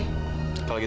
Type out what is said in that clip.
apa yang ini